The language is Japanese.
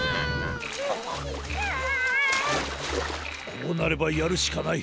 こうなればやるしかない。